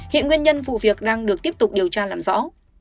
hiện nguyên nhân vụ việc đang được tiếp tục điều tra làm rõ